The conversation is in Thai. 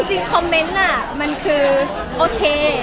จริงคอมเมนต์มันคือโอเค